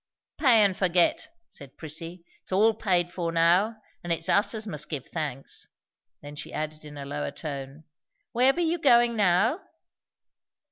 "Pay and forget!" said Prissy. "It's all paid for now; and it's us as must give thanks." Then she added in a lower tone, "Where be you goin' now?"